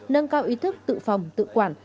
nâng cao ý thức tự phòng tự quản